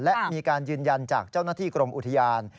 และมีการยืนยันจากเจ้าหน้าที่กรมอุทยาน